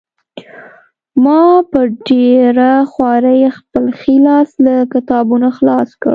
ما په ډېره خوارۍ خپل ښی لاس له کتابونو خلاص کړ